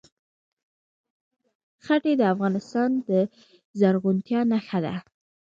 ښتې د افغانستان د زرغونتیا نښه ده.